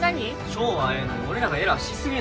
翔はええのに俺らがエラーしすぎ